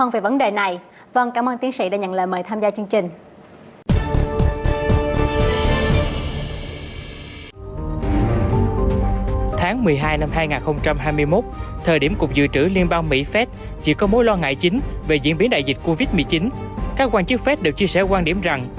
về diễn biến đại dịch covid một mươi chín các quan chức fed đều chia sẻ quan điểm rằng